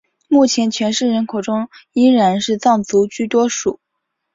目前全市人口中依然是藏族居多数。